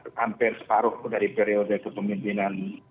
hampir separuh dari periode kepemimpinan